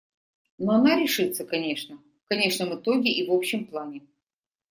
Но она решится, конечно, в конечном итоге и в общем плане.